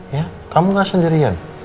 ya kamu gak sendirian